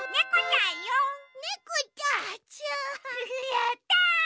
やった！